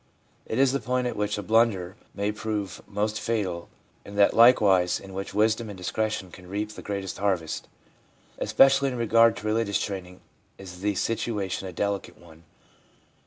It is the point at which a blunder may prove most fatal, and that likewise in which wisdom and discretion can reap the greatest harvest. Especially in regard to religious training is the situation a delicate one.